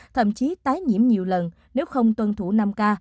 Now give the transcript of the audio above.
thậm chí tái nhiễm nhiều lần nếu không tuân thủ năm k